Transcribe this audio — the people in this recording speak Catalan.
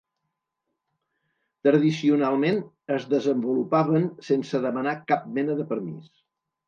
Tradicionalment, es desenvolupaven sense demanar cap mena de permís.